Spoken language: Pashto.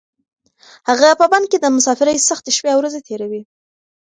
هغه په بن کې د مسافرۍ سختې شپې او ورځې تېروي.